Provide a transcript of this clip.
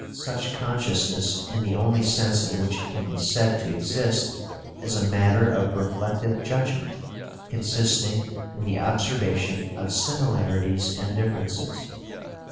Such consciousness in the only sense in which it can be said to exist is a matter of reflective judgment consisting in the observation of similarities and differences.